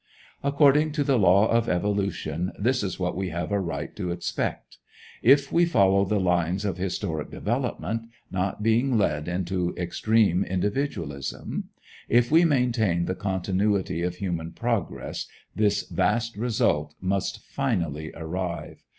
According to the law of evolution, this is what we have a right to expect. If we follow the lines of historic development, not being led into extreme individualism; if we maintain the continuity of human progress, this vast result must finally arrive.